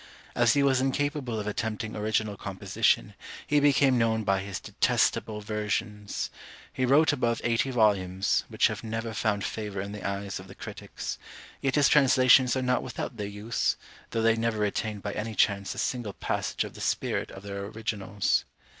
As he was incapable of attempting original composition, he became known by his detestable versions. He wrote above eighty volumes, which have never found favour in the eyes of the critics; yet his translations are not without their use, though they never retain by any chance a single passage of the spirit of their originals.